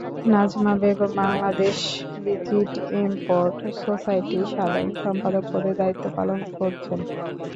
Nazma Begum Bangladesh visit import সোসাইটির সাধারণ সম্পাদক পদে দায়িত্ব পালন করছেন।